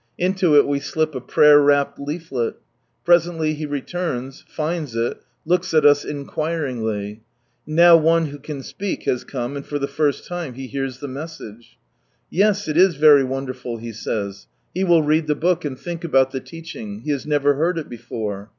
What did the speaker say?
Into it we slip a prayer wrapped leafiet. Presently he returns ; finds it, looks at us inquiringly. And now one who can speak has come, and for the first time he hears the message. Yes, it is very wonderful, he saj s ; he will read the book, and think about the teaching ; he has never heard it before.